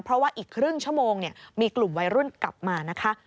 เพราะว่าอีกครึ่งชั่วโมงมีกลุ่มวัยรุ่นกลับมานะคะ